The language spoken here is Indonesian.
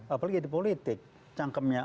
apalagi di politik cangkemnya